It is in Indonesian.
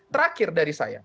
terakhir dari saya